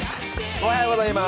おはようございます。